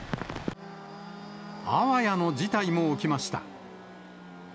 あわやの事態も起きました。